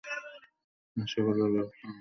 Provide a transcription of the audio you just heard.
আর সেগুলোর ব্যাখ্যা আল্লাহ ব্যতীত কেউ জানে না।